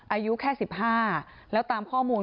อายุแค่๑๕แล้วตามข้อมูล